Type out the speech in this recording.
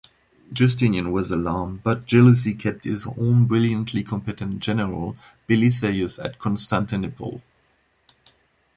Justinian was alarmed, but jealousy kept his one brilliantly competent general Belisarius at Constantinople.